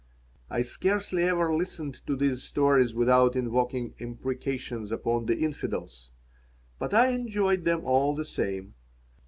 I scarcely ever listened to these stories without invoking imprecations upon the infidels, but I enjoyed them all the same.